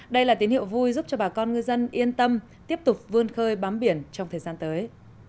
đây là tín hiệu vui giúp cho bà con ngư dân yên tâm tiếp tục vươn khơi bám biển trong thời gian tới